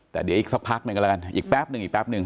แต่เดี๋ยวอีกสักพักหนึ่งก็แล้วกันอีกแป๊บหนึ่งอีกแป๊บหนึ่ง